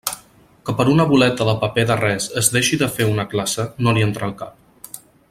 Que per una boleta de paper de res es deixe de fer una classe, no li entra al cap.